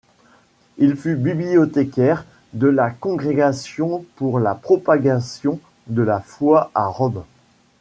Il fut bibliothécaire de la Congrégation pour la propagation de la foi à Rome.